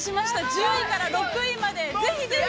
１０位から６位まで、ぜひぜひ。